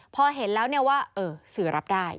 พอเห็นแล้วเนี่ยว่าเออสื่อรับได้